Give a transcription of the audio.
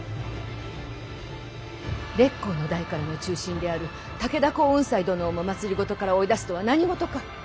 烈公の代からの忠臣である武田耕雲斎殿をも政から追い出すとは何事か。